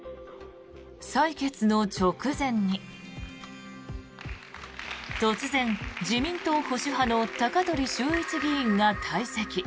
採決の直前に突然自民党保守派の高鳥修一議員が退席。